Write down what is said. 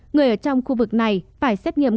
người ở trong khu vực này phải xét nghiệm